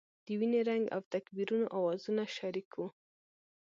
د وینې رنګ او تکبیرونو اوازونه شریک وو.